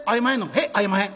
「へえ合いまへん」。